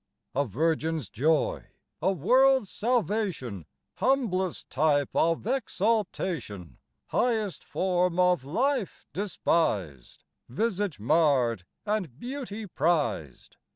A Virgin's joy; a world's salvation; Humblest type of exaltation! Highest form of life despised; Visage marred, and beauty prized.